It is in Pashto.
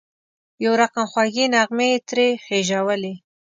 یو رقم خوږې نغمې یې ترې خېژولې.